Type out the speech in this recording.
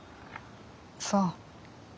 そう。